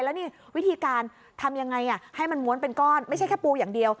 แล้วนี่วิธีการทำยังไงให้มันม้วนเป็นก้อนไม่ใช่แค่ปูอย่างเดียว